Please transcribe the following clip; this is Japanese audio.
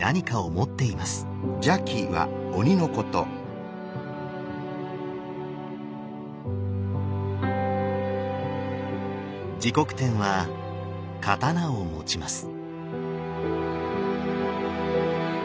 持国天は刀を持ちます。